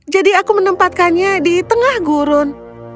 jadi aku menempatkannya di tengah gurun